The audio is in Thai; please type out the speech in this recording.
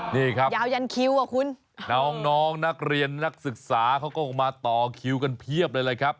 นี่ครับน้องนักเรียนนักศึกษาเขาก็ออกมาต่อคิวกันเพียบเลยครับ